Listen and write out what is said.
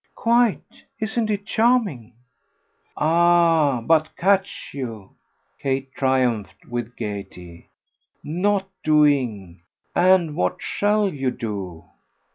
"Quite. Isn't it charming?" "Ah but catch you," Kate triumphed with gaiety, "NOT doing ! And what SHALL you do?"